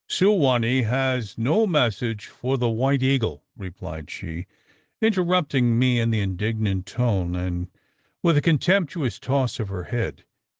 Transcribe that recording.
"Su wa nee has no message for the White Eagle!" replied she, interrupting me, in the indignant tone, and with a contemptuous toss of her head.